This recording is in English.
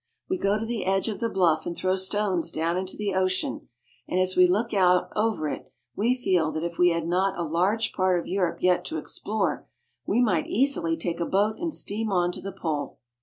We go to the edge of the bluff and throw stones down into the ocean ; and as we look out over it we feel that if we had not a large part of Europe yet to explore, we might easily take a boat and steam on to the Pole.